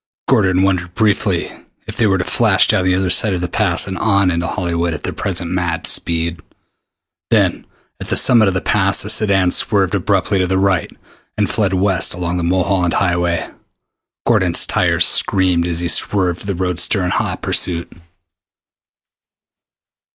Gordon wondered briefly if they were to flash down the other side of the Pass and on into Hollywood at their present mad speed. Then at the summit of the Pass the sedan swerved abruptly to the right and fled west along the Mulholland Highway. Gordon's tires screamed as he swerved the roadster in hot pursuit.